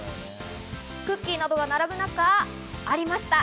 クッキーなどが並ぶ中、ありました。